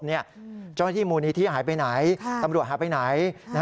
เจ้าหน้าที่มูลนิธิหายไปไหนตำรวจหายไปไหน